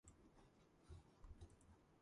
მეტწილად აგებულია კირქვებით.